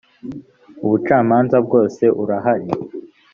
ubucamanza bwose urahari.